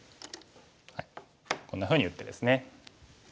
こんなふうに打ってですね。